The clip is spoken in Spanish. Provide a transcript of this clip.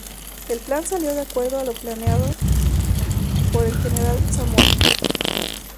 El plan salió de acuerdo a lo planteado por el general Zamora.